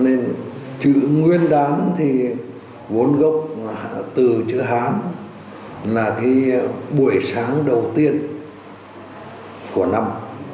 nên chữ nguyên đán thì vốn gốc từ chữ hán là cái buổi sáng đầu tiên của năm